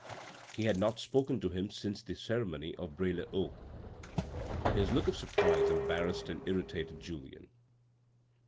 He had not spoken to him since the ceremony of Bray le Haut. His look of surprise embarrassed and irritated Julien.